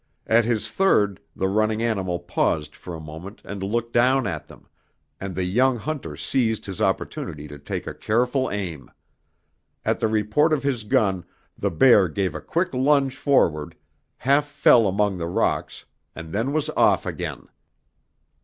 At his third the running animal paused for a moment and looked down at them, and the young hunter seized his opportunity to take a careful aim. At the report of his gun the bear gave a quick lunge forward, half fell among the rocks, and then was off again.